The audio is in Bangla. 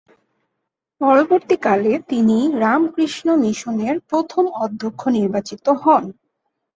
পরবর্তীকালে তিনি রামকৃষ্ণ মিশনের প্রথম অধ্যক্ষ নির্বাচিত হন।